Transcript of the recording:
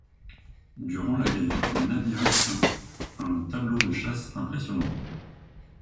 Durant la guerre, le navire obtint un tableau de chasse impressionnant.